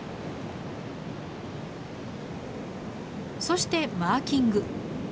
そしてマーキング。